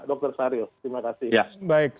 dr syaril terima kasih